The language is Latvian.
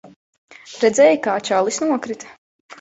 Redzēji, kā čalis nokrita?